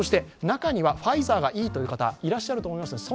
中にはファイザーがいいという方がいらっしゃると思います。